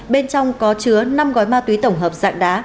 bên trong có chứa năm gói ma túy tổng hợp dạng đá